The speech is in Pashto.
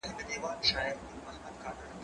زه له سهاره درسونه لوستل کوم؟